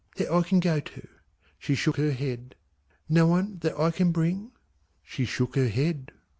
"That I can go to?" She shook her head. "No one that I can bring?" She shook her head.